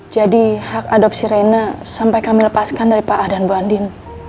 jadi hak adopsi reyna sampai kami lepaskan dari pak ah dan bu andin